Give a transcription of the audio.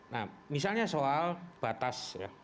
nah misalnya soal batas